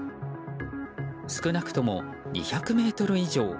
少なくとも２００ｍ以上。